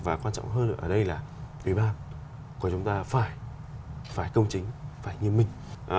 và quan trọng hơn ở đây là ủy ban của chúng ta phải công chính phải như mình